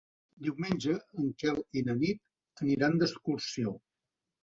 Diumenge en Quel i na Nit aniran d'excursió.